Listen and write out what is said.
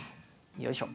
よいしょ。